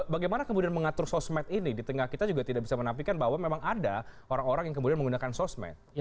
bagaimana kemudian mengatur sosmed ini di tengah kita juga tidak bisa menampikan bahwa memang ada orang orang yang kemudian menggunakan sosmed